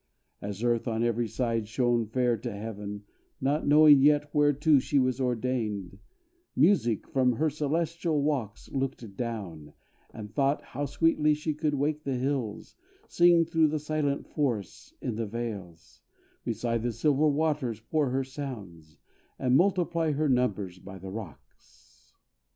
As earth, on every side, shone fair to heaven, Not knowing yet whereto she was ordained, Music, from her celestial walks looked down, And thought, how sweetly she could wake the hills, Sing through the silent forests in the vales Beside the silver waters pour her sounds; And multiply her numbers by the rocks!